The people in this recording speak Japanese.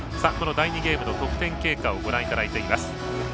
この第２ゲームの得点経過をご覧いただいています。